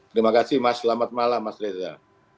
terima kasih mas selamat malam mas reza